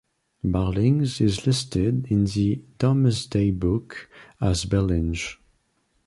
Barlings is listed in the "Domesday book" as "Berlinge".